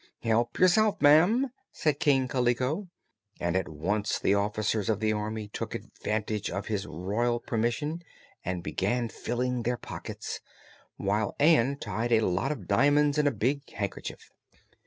"Help yourself, ma'am," said King Kaliko, and at once the officers of the Army took advantage of his royal permission and began filling their pockets, while Ann tied a lot of diamonds in a big handkerchief.